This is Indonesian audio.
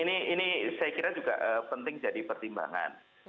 nah ini saya kira juga penting jadi pertimbangan